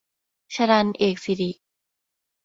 ชรัญ เอกสิริ